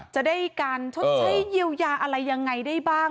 จะได้การชดใช้เยียวยาอะไรยังไงได้บ้าง